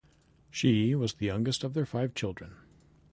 She was the youngest of their five children.